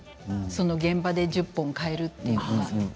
その現場で１０本変えるというのは。